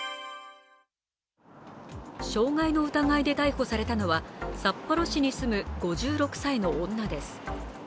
傷害の疑いで逮捕されたのは札幌市に住む５６歳の女です。